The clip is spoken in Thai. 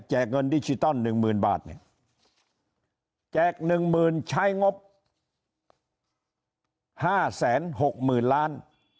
แจกเงินดิจิตอล๑หมื่นบาทแจก๑หมื่นใช้งบ๕๖๐๐๐๐ล้าน